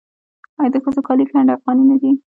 آیا د ښځو کالي ګنډ افغاني نه وي؟